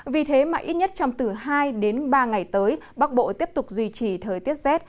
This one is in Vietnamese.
vì thế mà ít nhất trong từ hai đến ba ngày tới bắc bộ tiếp tục duy trì thời tiết rét